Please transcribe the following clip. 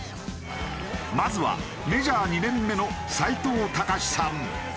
まずはメジャー２年目の齋藤隆さん。